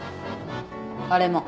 あれも。